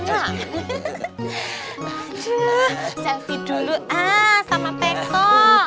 aduh selfie dulu sama petok